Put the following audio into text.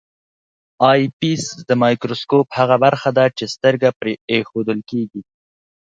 آی پیس د مایکروسکوپ هغه برخه ده چې سترګه پرې ایښودل کیږي.